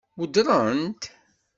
Weddṛen-t?